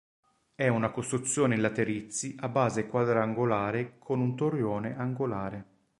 È una costruzione in laterizi a base quadrangolare con un torrione angolare.